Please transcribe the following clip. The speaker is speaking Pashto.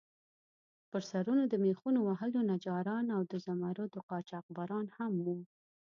پر سرونو د میخونو وهلو نجاران او د زمُردو قاچاقبران هم وو.